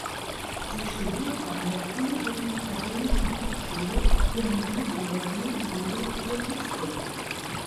Sie studierte an der Königlichen akademischen Hochschule für Musik in Berlin und wurde Flötistin.